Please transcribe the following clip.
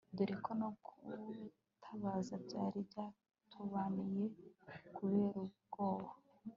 doreko no gutabaza byari byatunabiye kuberubwoba